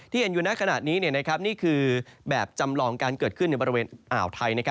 เห็นอยู่ในขณะนี้นี่คือแบบจำลองการเกิดขึ้นในบริเวณอ่าวไทย